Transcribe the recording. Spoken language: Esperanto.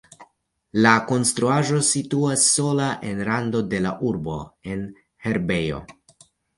La konstruaĵo situas sola en rando de la urbo en herbejo.